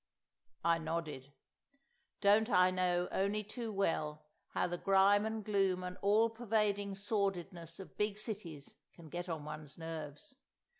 I nodded. Don't I know only too well how the grime and gloom and all pervading sordidness of big cities can get on one's nerves!